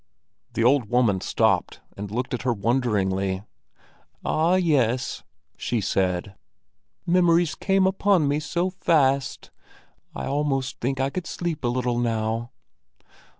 The old woman stopped and looked at her wonderingly. "Ah, yes!" she said. "Memories came upon me so fast! I almost think I could sleep a little now."